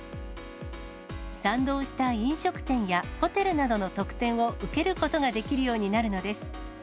賛同した飲食店やホテルなどの特典を受けることができるようになるのです。